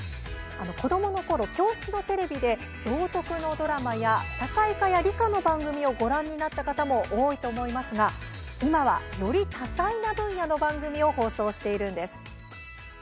子どものころ、教室のテレビで道徳のドラマや社会科や理科の番組をご覧になった方も多いと思いますが、今は、より多彩な分野の番組を放送しているんです。